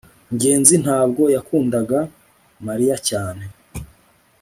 ngenzi ntabwo yakundaga mariya cyane